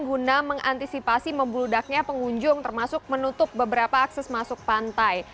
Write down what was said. guna mengantisipasi membludaknya pengunjung termasuk menutup beberapa akses masuk pantai